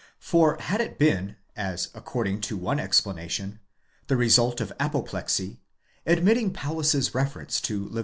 For had it been, as according to one explanation, the result of apoplexy; admitting Paulus's reference to Lev.